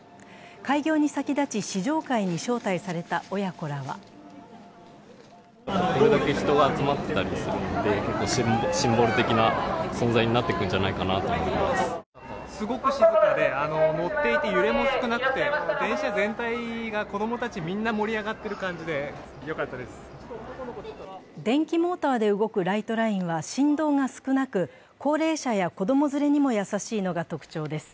開業に先立ち試乗会に招待された親子らは電気モーターで動くライトラインは振動が少なく、高齢者や子供連れにも優しいのが特徴です。